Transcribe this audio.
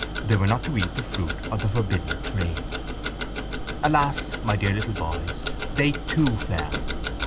They were not to eat of the fruit of the forbidden tree. —Alas, my dear little boys, they too fell.